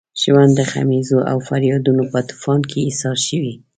ژوند د غمیزو او فریادونو په طوفان کې ایسار شوی.